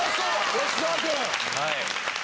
吉沢君。